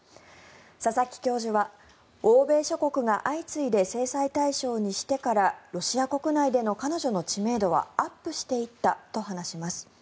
佐々木教授は欧米諸国が相次いで制裁対象にしてからロシア国内での彼女の知名度はアップしていったと話しています。